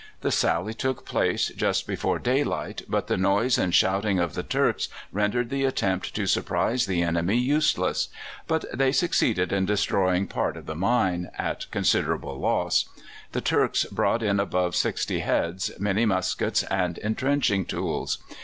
The sally took place just before daylight, but the noise and shouting of the Turks rendered the attempt to surprise the enemy useless; but they succeeded in destroying part of the mine, at considerable loss. The Turks brought in above sixty heads, many muskets and entrenching tools.